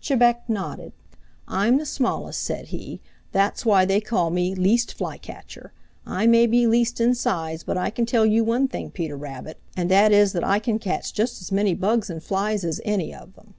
Chebec nodded. "I'm the smallest," said he. "That's why they call me Least Flycatcher. I may be least in size, but I can tell you one thing, Peter Rabbit, and that is that I can catch just as many bugs and flies as any of them."